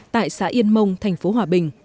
tại xã yên mông thành phố hòa bình